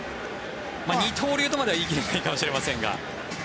二刀流とまでは言い切れないかもしれませんが。